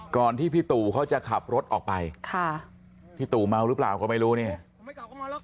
ที่พี่ตู่เขาจะขับรถออกไปค่ะพี่ตู่เมาหรือเปล่าก็ไม่รู้เนี่ย